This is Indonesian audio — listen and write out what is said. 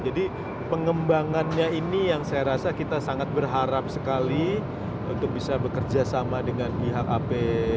jadi pengembangannya ini yang saya rasa kita sangat berharap sekali untuk bisa bekerja sama dengan pihak ap dua